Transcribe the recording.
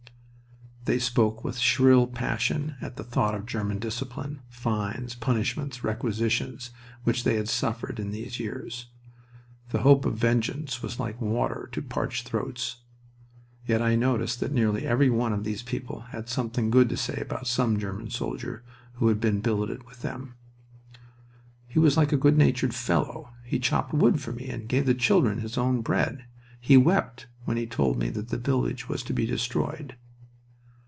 They spoke with shrill passion at the thought of German discipline, fines, punishments, requisitions, which they had suffered in these years. The hope of vengeance was like water to parched throats. Yet I noticed that nearly every one of these people had something good to say about some German soldier who had been billeted with them. "He was a good natured fellow. He chopped wood for me and gave the children his own bread. He wept when he told me that the village was to be destroyed."